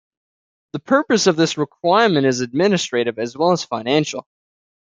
The purpose of this requirement is administrative, as well as financial.